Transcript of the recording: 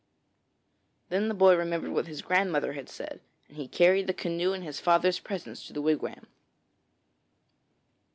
Then the boy remembered what his grandmother had said, and he carried the canoe and his father's presents to the wigwam.